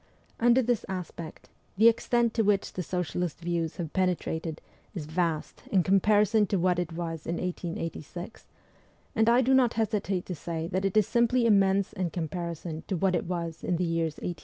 Under this aspect, the extent to which the socialist views have penetrated is vast in comparison to what 320 MEMOIRS OF A REVOLUTIONIST it was in 1886 ; and I do not hesitate to say that it is simply immense in comparison to what it was in the years 1876 82.